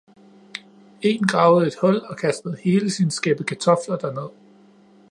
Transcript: En gravede et hul og kastede hele sin skæppe kartofler derned